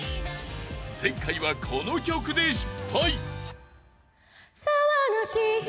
［前回はこの曲で失敗］